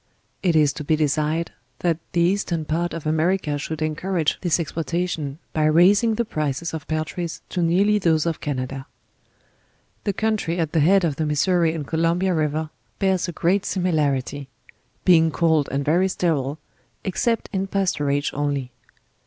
It is to be desired, that the eastern part of America should encourage this exporta tion, by raising the prices of peitries to nearly those of Canada. The country at the head of the Missouri and Columbia river bears a great similarity; being cold and very sterile, ex cept in pasturage only.